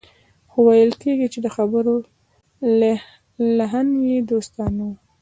خو ويل کېږي چې د خبرو لحن يې دوستانه و.